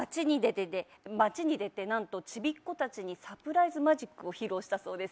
街に出て何とちびっこたちにサプライズマジックを披露したそうです。